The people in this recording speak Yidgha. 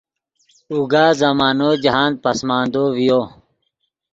اوگا زمانو جاہند پسماندو ڤیو